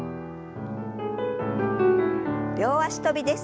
両脚跳びです。